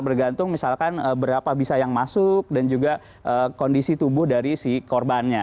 bergantung misalkan berapa bisa yang masuk dan juga kondisi tubuh dari si korbannya